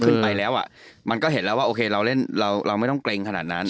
ขึ้นไปแล้วอ่ะมันก็เห็นแล้วว่าโอเคเราเล่นเราไม่ต้องเกรงขนาดนั้น